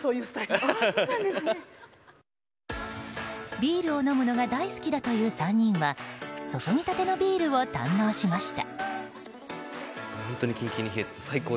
ビールを飲むのが大好きだという３人はそそぎたてのビールを堪能しました。